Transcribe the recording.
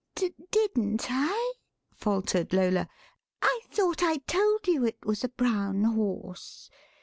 "Didn't I?" faltered Lola; "I thought I told you it was a brown horse.